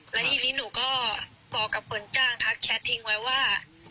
แล้วทีนี้หนูก็บอกกับคนจ้างทักแชททิ้งไว้ว่า